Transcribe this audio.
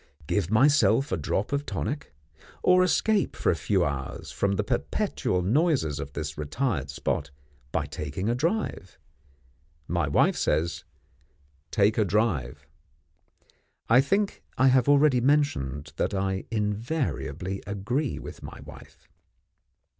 Give myself a drop of tonic? or escape for a few hours from the perpetual noises of this retired spot, by taking a drive? My wife says, take a drive. I think I have already mentioned that I invariably agree with my wife.